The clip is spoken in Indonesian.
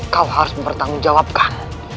kau harus mempertanggungjawabkan